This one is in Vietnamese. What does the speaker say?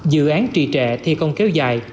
dự án trì trệ thì không kéo dài